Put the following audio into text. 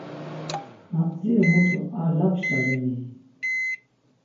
Na bdziri mutu ar lapşa reni?